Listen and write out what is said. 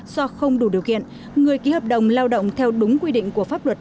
do không đủ điều kiện người ký hợp đồng lao động theo đúng quy định của pháp luật